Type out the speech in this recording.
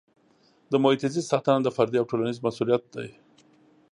د محیط زیست ساتنه د فردي او ټولنیز مسؤلیت دی.